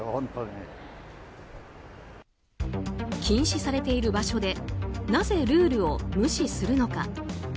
禁止されている場所でなぜルールを無視するのか。